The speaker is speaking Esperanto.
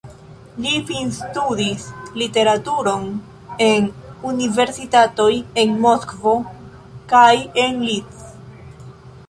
Li finstudis literaturon en universitatoj en Moskvo kaj en Leeds.